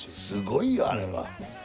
すごいよあれは。